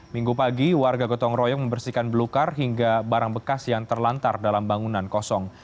minggu pagi warga gotong royong membersihkan belukar hingga barang bekas yang terlantar dalam bangunan kosong